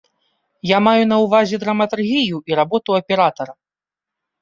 Я маю на ўвазе драматургію і работу аператара.